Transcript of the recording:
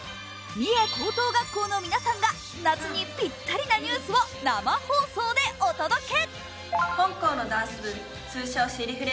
三重高校の皆さんが夏にぴったりなニュースを生放送でお届け。